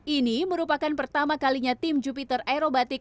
ini merupakan pertama kalinya tim jupiter aerobatic